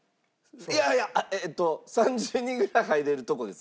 いやいやえっと３０人ぐらい入れるとこです。